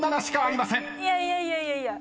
いやいやいやいや！